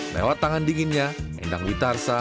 lewat tangan dinginnya endang witarsa